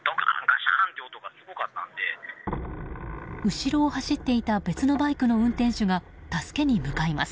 後ろを走っていた別のバイクの運転手が助けに向かいます。